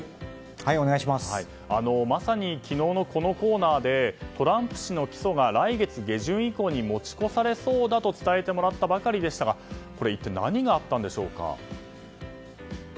まさに昨日のこのコーナーでトランプ氏の起訴が来月下旬以降に持ち越されそうだと伝えてもらったばかりでしたが一体何があったんでしょうか。